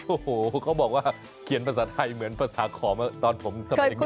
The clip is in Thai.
โอ้โหเขาบอกว่าเขียนภาษาไทยเหมือนภาษาขอมาตอนผมสมัยเด็ก